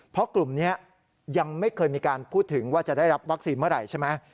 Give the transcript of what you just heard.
เพราะกลุ่มนี้ยังไม่เคยมีการพูดถึงว่าจะได้รับวัคซีนเมื่อไหร่ใช่ไหม